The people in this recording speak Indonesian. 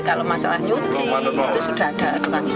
kalau masalah nyuci itu sudah ada